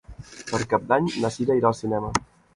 Per Cap d'Any na Cira irà al cinema.